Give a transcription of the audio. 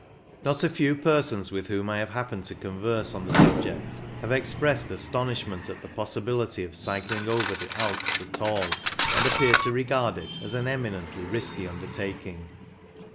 Not a few persons with whom I have happened to converse on the subject have expressed astonishment at the possibility of cycling over the Alps at all, and appeared to regard it as an eminently risky under taking.